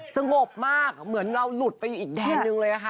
สงบมากเหมือนเราหลุดไปอีกแดนนึงเลยค่ะ